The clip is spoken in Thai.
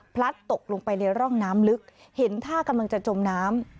ตกลงไปในร่องน้ำลึกเห็นท่ากำลังจะจมน้ำ